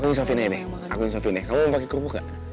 kamu mau pake kerupuk gak